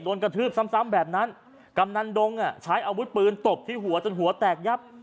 กระทืบซ้ำซ้ำแบบนั้นกำนันดงอ่ะใช้อาวุธปืนตบที่หัวจนหัวแตกยับ